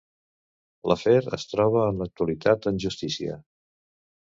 L'afer es troba en l'actualitat en justícia.